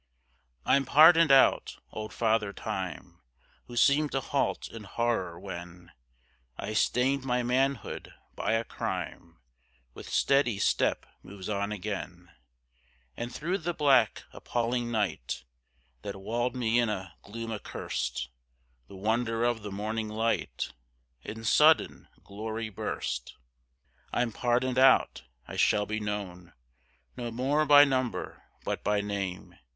I'm pardoned out. Old Father Time Who seemed to halt in horror, when I stained my manhood by a crime, With steady step moves on again, And through the black appalling night, That walled me in a gloom accurst, The wonder of the morning light In sudden glory burst. I'm pardoned out. I shall be known No more by number, but by name.